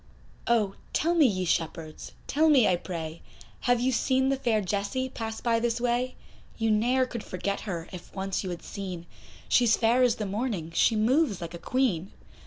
Oh! tell me ye shepherds, tell me I pray, Have you seen the fair Jessie pass by this way? You ne'er could forget her, if once you had seen, She's fair as the morning, she moves like a Queen.